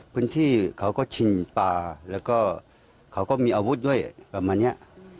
พื้นที่เขาก็ชิงปลาแล้วก็เขาก็มีอาวุธด้วยประมาณเนี้ย